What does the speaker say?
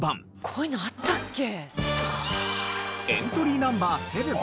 こういうのあったっけ？